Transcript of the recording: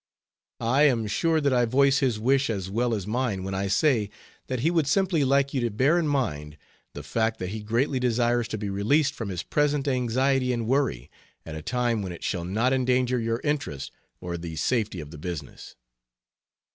I am sure that I voice his wish as well as mine when I say that he would simply like you to bear in mind the fact that he greatly desires to be released from his present anxiety and worry, at a time when it shall not endanger your interest or the safety of the business.